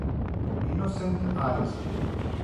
Innocent Eyes